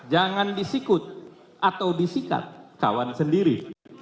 jangan disikut atau disikat kawan sendiri